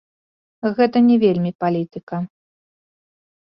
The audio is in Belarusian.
Гэта не вельмі палітыка.